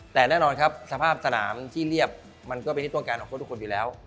แต่แน่นอนครับสภาพสนามที่เรียบมันก็เป็นที่ต้องการของโค้ดทุกคนอยู่แล้ว